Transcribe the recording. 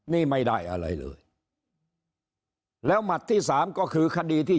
นี่ไม่ได้อะไรเลยแล้วหมัดที่สามก็คือคดีที่